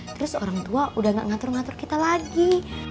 terus orang tua udah gak ngatur ngatur kita lagi